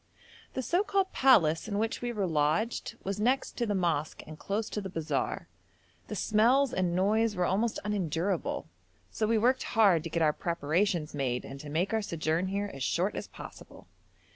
The so called palace in which we were lodged was next to the mosque and close to the bazaar; the smells and noise were almost unendurable, so we worked hard to get our preparations made, and to make our sojourn here as short as possible.